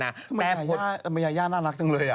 ทำไมยาย่าน่ารักจังเลย